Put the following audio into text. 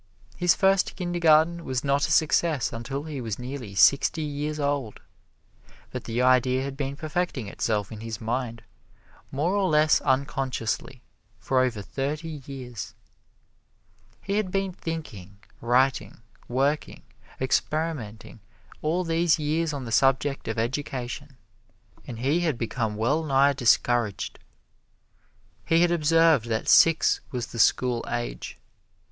His first Kindergarten was not a success until he was nearly sixty years old, but the idea had been perfecting itself in his mind more or less unconsciously for over thirty years. He had been thinking, writing, working, experimenting all these years on the subject of education, and he had become well nigh discouraged. He had observed that six was the "school age."